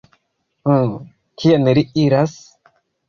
Uh... kien li iras?